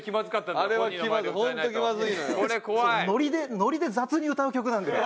ノリで雑に歌う曲なんで。